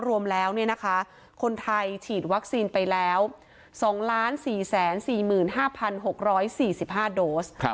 รวมแล้วคนไทยฉีดวัคซีนไปแล้ว๒๔๔๕๖๔๕โดส